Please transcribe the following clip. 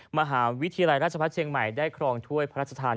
มหาวิทยาลัยราชพัฒนเชียงใหม่ได้ครองถ้วยพระราชทาน